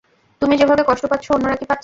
তুমি যেভাবে কষ্ট পাচ্ছ অন্যরা কি পাচ্ছে?